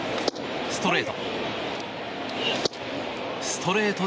ストレート。